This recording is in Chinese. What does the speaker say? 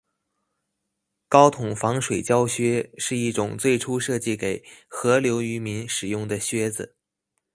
高筒防水胶靴是一种最初设计给河流渔民使用的靴子。